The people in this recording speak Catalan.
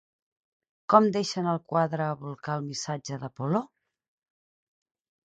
Com deixa en el quadre a Vulcà el missatge d'Apol·lo?